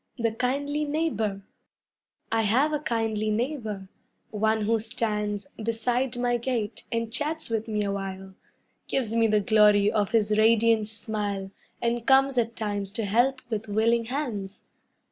THE KINDLY NEIGHBOR I have a kindly neighbor, one who stands Beside my gate and chats with me awhile, Gives me the glory of his radiant smile And comes at times to help with willing hands.